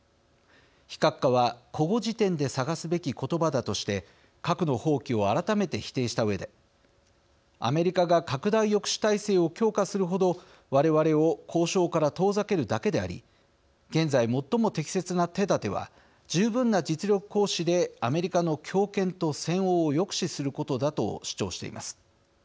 非核化は古語辞典で探すべき言葉だとして核の放棄を改めて否定したうえでアメリカが拡大抑止体制を強化する程我々を交渉から遠ざけるだけであり現在、最も適切な手だては十分な実力行使でアメリカの強権と専横を抑止することだと主張しています。